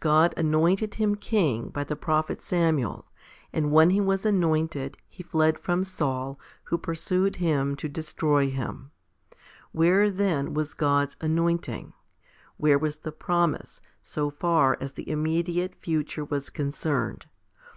God anointed him king by the pro phet Samuel, and when he was anointed, h? fled from Saul, who pursued him to destroy him. Where then was God's 69 70 FIFTY SPIRITUAL HOMILIES anointing? Where was the promise, so far as the imme diate future was concerned?